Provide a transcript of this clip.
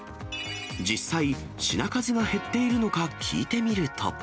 実際、品数が減っているのか聞いてみると。